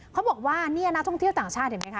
เขาบอกว่านี่นักท่องเที่ยวต่างชาติเห็นไหมคะ